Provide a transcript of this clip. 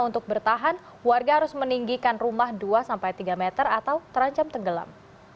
untuk bertahan warga harus meninggikan rumah dua sampai tiga meter atau terancam tenggelam